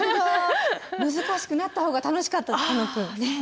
難しくなった方が楽しかった楽くん。